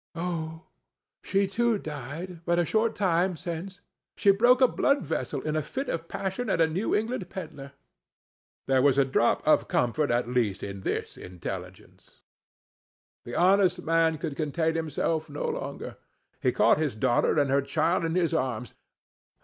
"Oh, she too had died but a short time since; she broke a blood vessel in a fit of passion at a New England peddler." There was a drop of comfort, at least, in this intelli[Pg 18]gence. The honest man could contain himself no longer. He caught his daughter and her child in his arms.